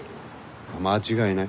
間違いない。